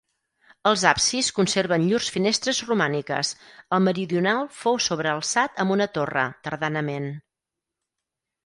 Els absis conserven llurs finestres romàniques; el meridional fou sobrealçat amb una torre, tardanament.